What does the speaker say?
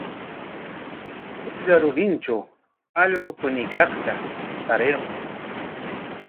Chuklla rurintraw allqu puñuykaqta tarirqun.